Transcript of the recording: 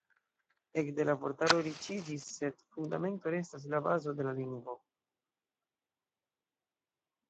Ekde, la vortaro riĉiĝis sed la Fundamento restas la bazo de la lingvo.